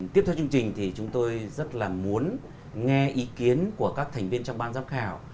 tiếp theo chương trình thì chúng tôi rất là muốn nghe ý kiến của các thành viên trong ban giám khảo